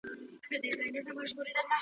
خو د کلیو په کوڅو کي سرګردان سو .